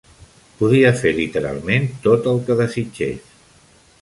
Podia fer literalment tot el que desitgés.